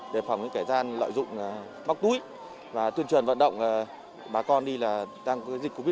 đề phòng những kẻ gian lợi dụng bóc túi và tuyên truyền vận động bà con đi là đang có dịch covid một mươi chín